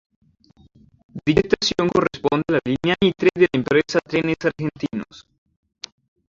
Dicha estación corresponde a la línea Mitre de la empresa Trenes Argentinos.